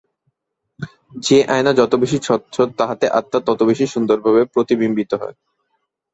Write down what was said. যে আয়না যত বেশী স্বচ্ছ, তাহাতে আত্মা তত বেশী সুন্দরভাবে প্রতিবিম্বিত হয়।